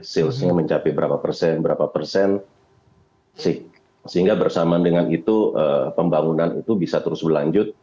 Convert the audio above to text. salesnya mencapai berapa persen sehingga bersamaan dengan itu pembangunan itu bisa terus berlangsung